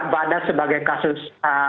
badan sebagai kasus